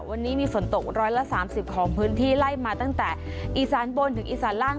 วันนี้มีฝนตกร้อยละ๓๐ของพื้นที่ไล่มาตั้งแต่อีสานบนถึงอีสานล่าง